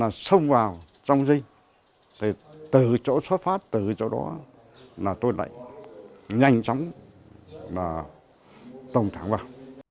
tầm thẳng vào trong rinh từ chỗ xuất phát từ chỗ đó là tôi lại nhanh chóng tầm thẳng vào